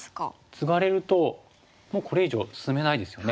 ツガれるともうこれ以上進めないですよね。